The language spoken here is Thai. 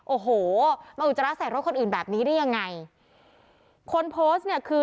โอ้โหมาอุจจาระใส่รถคนอื่นแบบนี้ได้ยังไงคนโพสต์เนี่ยคือ